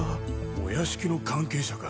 お屋敷の関係者か。